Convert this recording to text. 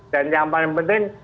dan yang paling penting